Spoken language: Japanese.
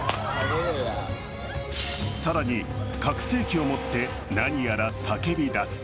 更に拡声器を持って何やら叫びだす。